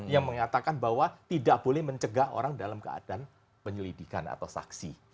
yang mengatakan bahwa tidak boleh mencegah orang dalam keadaan penyelidikan atau saksi